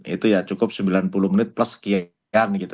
itu ya cukup sembilan puluh menit plus sekian gitu